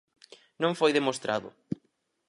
Non foi demostrado.